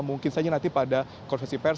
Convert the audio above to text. mungkin saja nanti pada konversi pers